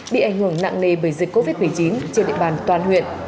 bị ảnh hưởng nặng nề bởi dịch covid một mươi chín trên địa bàn toàn huyện